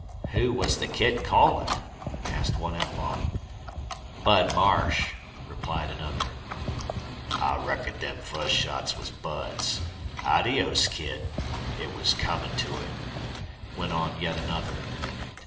"Who was the Kid callin'?" asked one outlaw. "Bud Marsh," replied another. "I reckon them fust shots was Bud's. Adios Kid. It was comin' to him," went on yet another.